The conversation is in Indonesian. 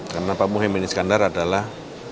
karena pak muhyiddin iskandar adalah